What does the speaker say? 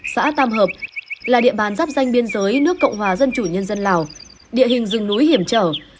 xã tam hợp là địa bàn giáp danh biên giới nước cộng hòa dân chủ nhân dân lào địa hình rừng núi hiểm trở